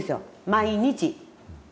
毎日。